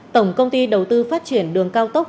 tổng công ty đầu tư phát triển đường cao tốc